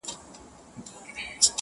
o بد بختي يوازي نه راځي٫